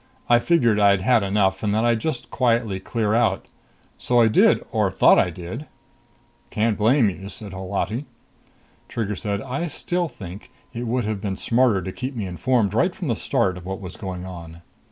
I figured I'd had enough and that I'd just quietly clear out. So I did or thought I did." "Can't blame you," said Holati. Trigger said, "I still think it would have been smarter to keep me informed right from the start of what was going on."